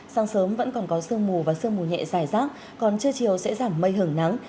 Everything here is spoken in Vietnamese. sáng sớm vẫn còn có sương mù và sương mù nhẹ dài rác còn trưa chiều sẽ giảm mây hưởng nắng